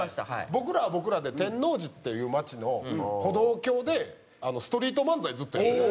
僕らは僕らで天王寺っていう街の歩道橋でストリート漫才ずっとやってて。